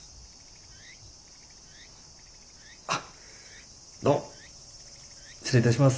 あっどうも失礼いたします。